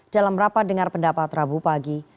dalam rapat dengar pendapat rabu pagi